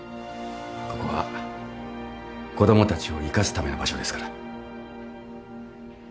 ここは子供たちを生かすための場所ですから。